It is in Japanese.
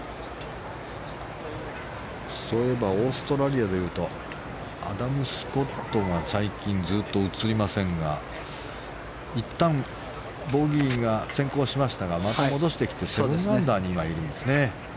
そういえばオーストラリアでいうとアダム・スコットが最近ずっと映りませんがいったんボギーが先行しましたがまた戻してきて７アンダーにいるんですね。